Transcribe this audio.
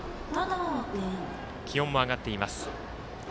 気温も上がっています。